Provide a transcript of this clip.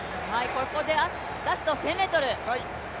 ここでラスト１０００ｍ。